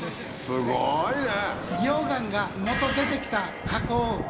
すごいね！